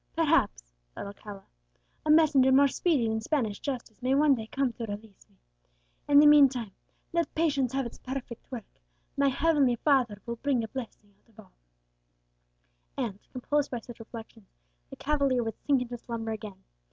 "Perhaps," thought Alcala, "a messenger more speedy than Spanish justice may one day come to release me. In the meantime let patience have its perfect work, my heavenly Father will bring a blessing out of all;" and, composed by such reflections, the cavalier would sink into slumber again.